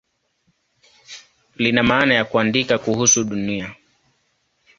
Lina maana ya "kuandika kuhusu Dunia".